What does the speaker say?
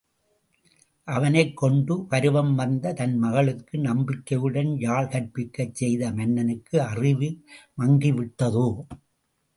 அவனைக் கொண்டு பருவம் வந்த தன் மகளுக்கு நம்பிக்கையுடன் யாழ் கற்பிக்கச் செய்த மன்னனுக்கு அறிவு மங்கிவிட்டதோ?